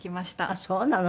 あっそうなの。